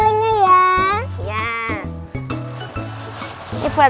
terima kasih pak